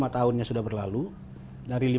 lima tahunnya sudah berlalu dari